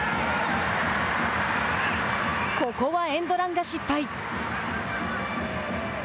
ここはエンドランが失敗。